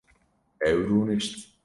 Ew rûnişt